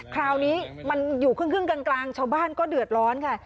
คราวนี้มันอยู่ครึ่งกลางชาวบ้านก็เดือดร้อนค่ะ